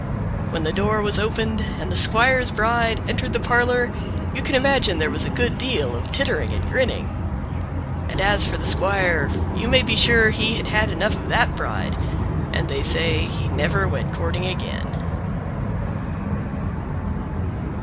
When the door was opened and the squire's bride entered the parlor you can imagine there was a good deal of tittering and grinning. And as for the squire you may he sure line had had enough of that bride, and they say he never went courting again.